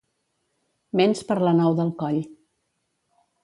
Ments per la nou del coll.